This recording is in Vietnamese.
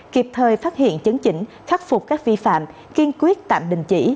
kịp thời phát hiện chấn chỉnh khắc phục các vi phạm kiên quyết tạm đình chỉ